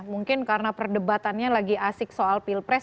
mungkin karena perdebatannya lagi asik soal pilpres